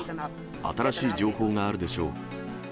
新しい情報があるでしょう。